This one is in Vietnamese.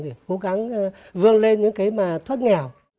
chúng tôi sẽ cố gắng vương lên những cái mà thoát nghèo